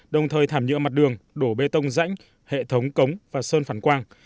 đồng thời thảm nhựa mặt đường đổ bê tông rãnh hệ thống cống và sơn phản quang